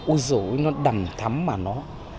ôi dồi ôi nó đầm thắm mà nó